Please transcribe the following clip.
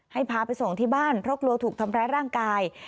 พาไปส่งที่บ้านเพราะกลัวถูกทำร้ายร่างกาย